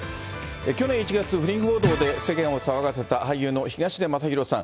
去年１月、不倫報道で世間を騒がせた俳優の東出昌大さん。